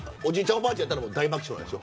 おばあちゃんやったら大爆笑でしょ。